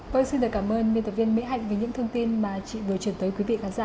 vâng xin cảm ơn viên tập viên mỹ hạnh về những thông tin mà chị vừa truyền tới quý vị khán giả